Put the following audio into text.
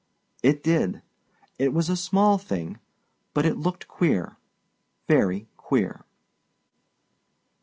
It did. It was a small thing. But it looked queer, Very queer.